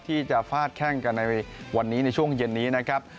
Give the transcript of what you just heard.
ฟาดแข้งกันในวันนี้ในช่วงเย็นนี้นะครับ